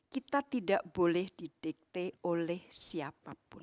kita tidak boleh didikte oleh siapapun